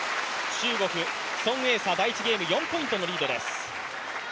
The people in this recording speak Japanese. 中国、孫エイ莎、第１ゲーム、４ポイントのリードです。